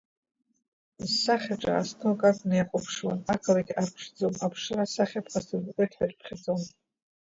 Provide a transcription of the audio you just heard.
Зсахьа ҿаасҭоу акакәны иахәаԥшуан, ақалақь арԥшӡом, аԥшра-асахьа ԥхасҭанатәуеит ҳәа ирыԥхьаӡон.